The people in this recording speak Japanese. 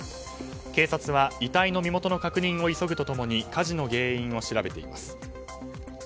警察は、遺体の身元の確認を急ぐと共に火事の原因を調べています。